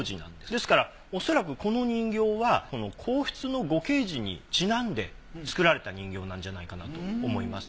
ですからおそらくこの人形は皇室の御慶事にちなんで作られた人形なんじゃないかなと思います。